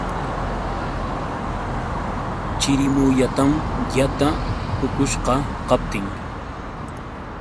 Chirimuyatam yataa puqushqa kaptin.